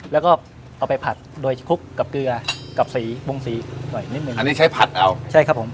แล้วก็เอาไปผัดโดยคลุกกับเกลือกับสีบงสีหน่อยนิดหนึ่งอันนี้ใช้ผัดเอาใช่ครับผม